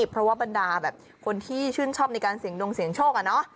เพราะว่าบรรดาแบบคนที่ชื่นชอบในการเสี่ยงดงเสียงโชค